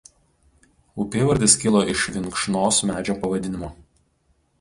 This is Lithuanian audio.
Upėvardis kilo iš vinkšnos medžio pavadinimo.